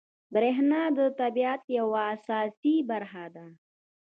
بریښنا د طبیعت یوه اساسي برخه ده